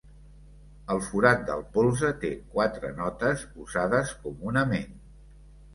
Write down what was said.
El forat del polze té quatre notes usades comunament.